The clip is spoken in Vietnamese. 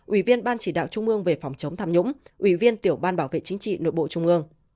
ủy viên ban chỉ đạo trung ương về phòng chống tham nhũng ủy viên tiểu ban bảo vệ chính trị nội bộ trung ương